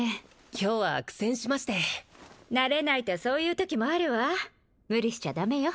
今日は苦戦しまして慣れないとそういうときもあるわ無理しちゃダメよ